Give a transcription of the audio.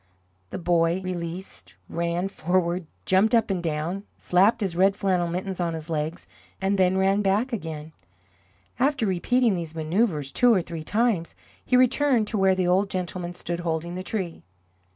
The boy, released, ran forward, jumped up and down, slapped his red flannel mittens on his legs, and then ran back again. After repeating these manoeuvres two or three times, he returned to where the old gentleman stood holding the tree.